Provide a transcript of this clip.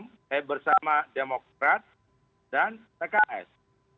pkb bersama nasdem bersama demokrat dan tks